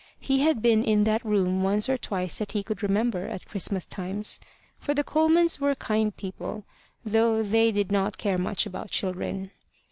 He had been in that room once or twice that he could remember at Christmas times; for the Colemans were kind people, though they did not care much about children.